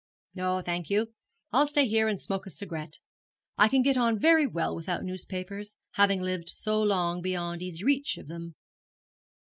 'No, thank you; I'll stay here and smoke a cigarette. I can get on very well without newspapers, having lived so long beyond easy reach of them.'